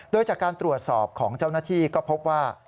โดยจากการตรวจสอบของเจ้าหน้าที่ก็พบว่า